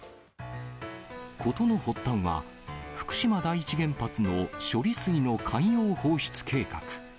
事の発端は、福島第一原発の処理水の海洋放出計画。